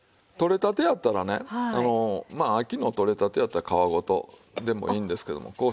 とれたてやったらねまあ秋のとれたてやったら皮ごとでもいいんですけども。